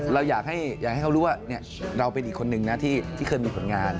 เราอยากให้เขารู้ว่าเราเป็นอีกคนนึงนะที่เคยมีผลงาน